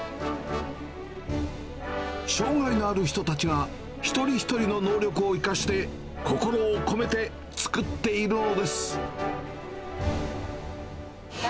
障がいのある人たちが、一人一人の能力を生かして、心を込めて作っているのです。